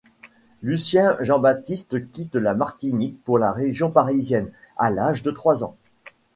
Lucien Jean-Baptiste quitte la Martinique pour la région parisienne, à l'âge de trois ans.